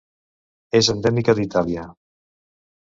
És endèmica d'Itàlia.